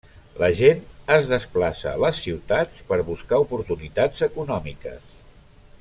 La gent es desplaça a les ciutats per buscar oportunitats econòmiques.